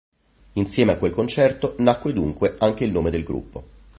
Insieme a quel concerto nacque dunque anche il nome del gruppo.